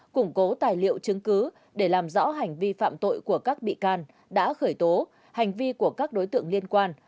củng cố tài liệu chứng cứ để làm rõ hành vi phạm tội của các bị can đã khởi tố hành vi của các đối tượng liên quan